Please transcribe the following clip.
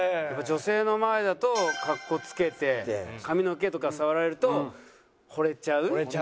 女性の前だと格好付けて髪の毛とか触られるとほれちゃう？